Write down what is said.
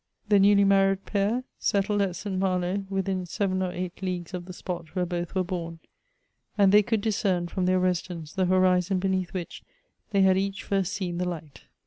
The newly married pair settled at St. Malo, within seven or eight leagues of the spot where both were bom ; and they could discern, from their residence, the horizon beneath which they had each first seen the light.